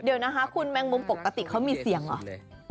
เดี๋ยวนะคะคุณแมงมุมปกติเขามีเสียงเหรอ